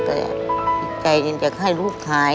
แต่ใจอยากให้ลูกหาย